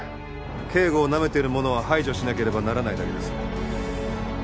警護をなめている者は排除しなければならないだけです。